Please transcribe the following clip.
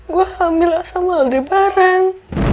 gue hamil lah sama aldebaran